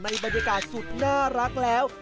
บรรยากาศสุดน่ารักแล้ว